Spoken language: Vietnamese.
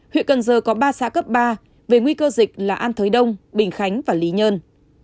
huyện cần giờ có ba xã cấp ba về nguy cơ dịch là an thới đông bình khánh và lý nhơn